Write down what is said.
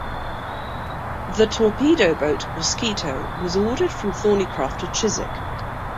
The torpedo boat "Mosquito" was ordered from Thornycroft of Chiswick.